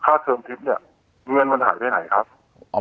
เทอมทิพย์เนี่ยเงินมันหายไปไหนครับ